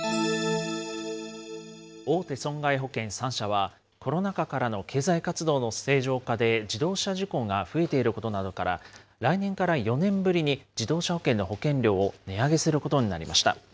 大手損害保険３社は、コロナ禍からの経済活動の正常化で自動車事故が増えていることなどから、来年から４年ぶりに自動車保険の保険料を値上げすることになりました。